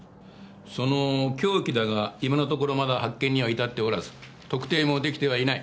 その凶器だが今のところまだ発見には至っておらず特定も出来てはいない。